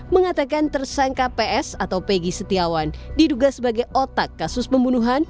mengatakan tersangka ps atau pegi setiawan diduga sebagai otak kasus pembunuhan